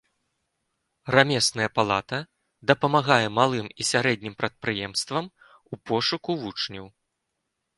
Рамесная палата дапамагае малым і сярэднім прадпрыемствам у пошуку вучняў.